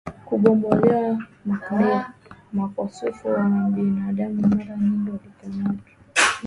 kubomolewa Mapadre maaskofu na maimamu mara nyingi walikamatwa